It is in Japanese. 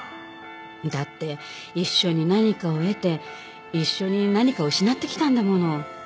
だって一緒に何かを得て一緒に何かを失ってきたんだもの。